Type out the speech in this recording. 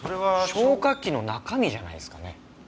消火器の中身じゃないですかね？